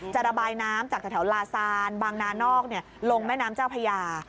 ระบายน้ำจากแถวลาซานบางนานอกลงแม่น้ำเจ้าพญา